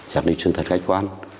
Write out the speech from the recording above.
xác định sự thật khách quan